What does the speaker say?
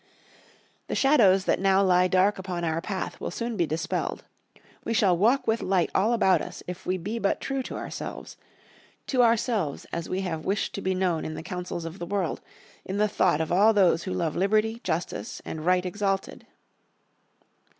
"The shadows that now lie dark upon our path will soon be dispelled. We shall walk with light all about us if we be but true to ourselves to ourselves as we have wished to be known in the counsels of the world, in the thought of all those who love liberty, justice, and right exalted."